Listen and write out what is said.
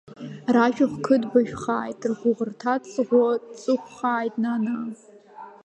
Ражәахә қыдбажәхааит, ргәыӷырҭа цгәы ҵыхәхааит, нанаа!